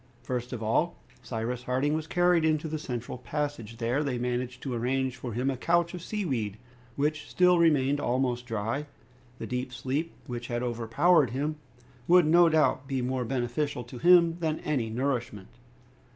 First of all, Cyrus Harding was carried into the central passage. There they managed to arrange for him a couch of sea weed which still remained almost dry. The deep sleep which had overpowered him would no doubt be more beneficial to him than any nourishment.